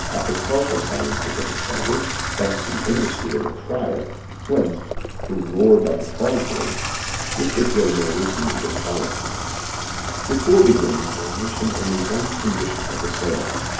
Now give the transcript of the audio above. After partial silence had been established, thanks to the industry of the crier, Flint, who roared like a foghorn, Mr. Gilmour resumed as follows: "Before beginning I will mention only one condition of the sale.